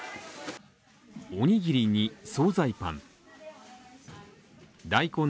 おにぎりに、惣菜パン。